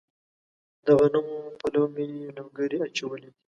د غنمو په لو مې لوګري اچولي دي.